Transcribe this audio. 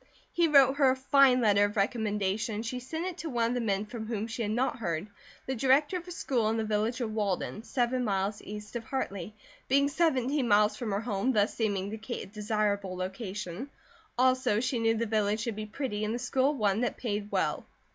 He wrote her a fine letter of recommendation and she sent it to one of the men from whom she had not heard, the director of a school in the village of Walden, seven miles east of Hartley, being seventeen miles from her home, thus seeming to Kate a desirable location, also she knew the village to be pretty and the school one that paid well.